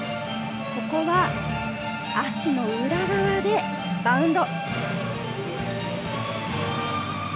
ここは足の裏側でバウンド。